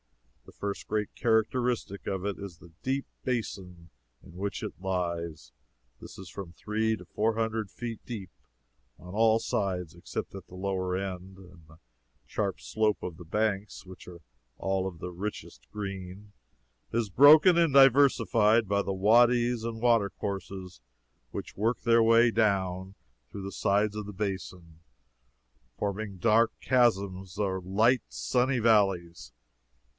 The first great characteristic of it is the deep basin in which it lies. This is from three to four hundred feet deep on all sides except at the lower end, and the sharp slope of the banks, which are all of the richest green, is broken and diversified by the wadys and water courses which work their way down through the sides of the basin, forming dark chasms or light sunny valleys.